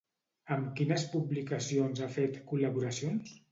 Amb quines publicacions ha fet col·laboracions?